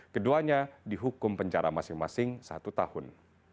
keduanya dihukum penjara masing masing satu tahun